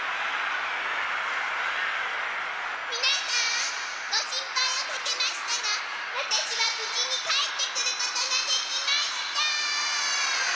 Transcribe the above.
みなさんごしんぱいをかけましたがわたしはぶじにかえってくることができました！